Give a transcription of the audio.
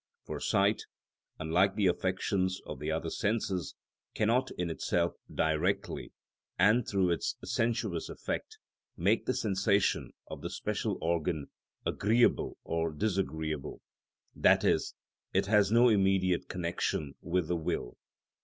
For sight, unlike the affections of the other senses, cannot, in itself, directly and through its sensuous effect, make the sensation of the special organ agreeable or disagreeable; that is, it has no immediate connection with the will.